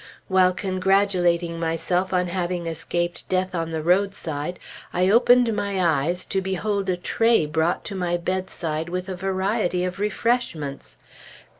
While congratulating myself on having escaped death on the roadside, I opened my eyes to behold a tray brought to my bedside with a variety of refreshments.